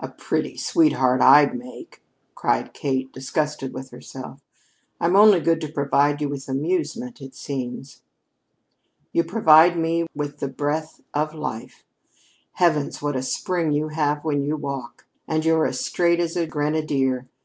"A pretty sweetheart I'd make," cried Kate, disgusted with herself. "I'm only good to provide you with amusement, it seems." "You provide me with the breath of life! Heavens, what a spring you have when you walk! And you 're as straight as a grenadier.